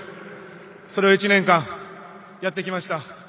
それを１年間やってきました。